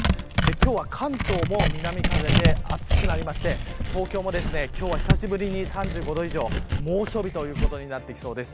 今日は、関東も南風で暑くなりまして、東京も今日は久しぶりに３５度以上猛暑日ということになってきそうです。